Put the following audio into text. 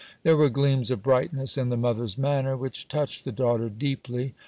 There were gleams of brightness in the mother's manner which touched the daughter deeply.